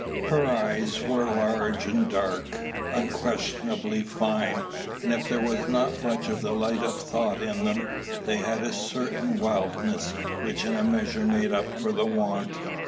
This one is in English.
Her eyes were large and dark unquestionably fine; and if there was not much of the light of thought in them, they had a certain wildness which in a measure made up for the want.